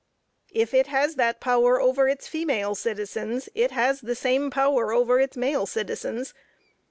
If it has that power over its female citizens, it has the same power over its male citizens.